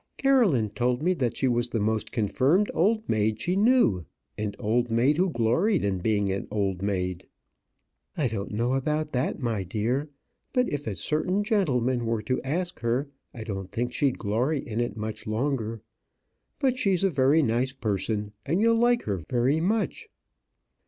"Caroline told me that she was the most confirmed old maid she knew an old maid who gloried in being an old maid." "I don't know about that, my dear; but if a certain gentleman were to ask her, I don't think she'd glory in it much longer. But she's a very nice person, and you'll like her very much."